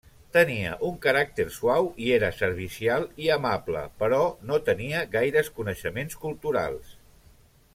Tenia un caràcter suau i era servicial i amable, però no tenia gaires coneixements culturals.